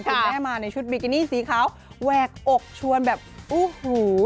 คุณแม่มาในชุดบิกินี่สีขาวแหวกอกชวนแบบโอ้โห